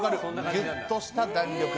ギュッとした弾力。